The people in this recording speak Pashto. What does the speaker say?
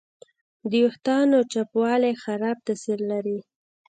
د وېښتیانو چپوالی خراب تاثیر لري.